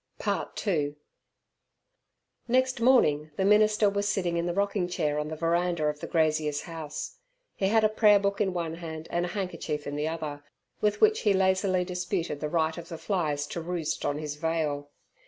II. Next morning the minister was sitting in the rocking chair on the veranda of the grazier's house He had a prayer book in one hand and a handkerchief in the other, with which he lazily disputed the right of the flies to roost on his veil.